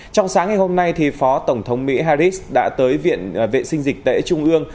trong sáng ngày hôm nay phó tổng thống mỹ harris đã tới viện vệ sinh dịch tễ trung ương